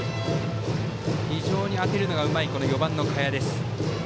非常に当てるのがうまい４番の賀谷です。